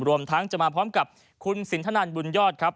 รวมทั้งจะมาพร้อมกับคุณสินทนันบุญยอดครับ